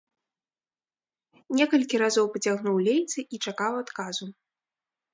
Некалькі разоў пацягнуў лейцы і чакаў адказу.